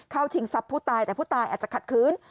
ชิงทรัพย์ผู้ตายแต่ผู้ตายอาจจะขัดขืน